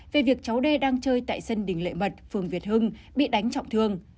về việc cháu đê đang chơi tại sân đình lệ mật phường việt hưng bị đánh trọng thương